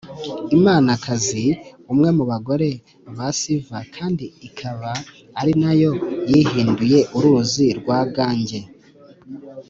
imanakazi, umwe mu bagore ba siva kandi ikaba ari na yo yihinduye uruzi rwa gange